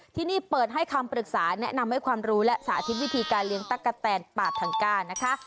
ที่นี่เปิดให้คำปรึกษาแนะนำให้ความรู้และสาธิตวิธีการเลี้ยงตั๊กกะแตนป่าทังก้านะคะ